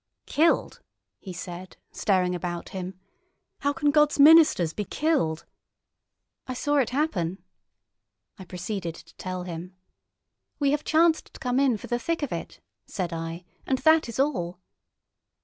"Killed!" he said, staring about him. "How can God's ministers be killed?" "I saw it happen." I proceeded to tell him. "We have chanced to come in for the thick of it," said I, "and that is all."